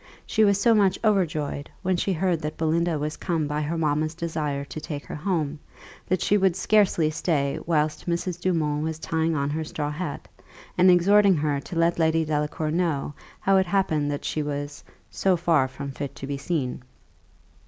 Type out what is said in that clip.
She was so much overjoyed, when she heard that Belinda was come by her mamma's desire to take her home, that she would scarcely stay whilst Mrs. Dumont was tying on her straw hat, and exhorting her to let Lady Delacour know how it happened that she was "so far from fit to be seen."